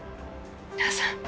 皆さん。